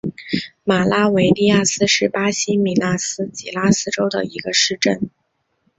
马拉维利亚斯是巴西米纳斯吉拉斯州的一个市镇。